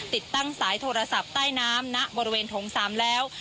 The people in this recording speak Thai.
ติดตั้งสายโทรศัพท์ใต้น้ำณบริเวณโถง๓แล้ว